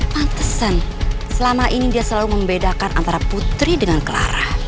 pantesan selama ini dia selalu membedakan putri dengan clara